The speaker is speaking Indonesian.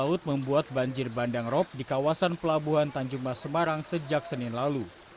laut membuat banjir bandang rop di kawasan pelabuhan tanjung mas semarang sejak senin lalu